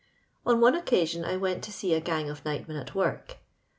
On one occasion 1 went to see a gang of night men pt work.